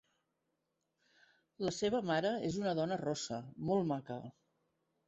La seva mare és una dona rossa molt maca.